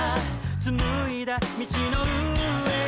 「紡いだ道の上に」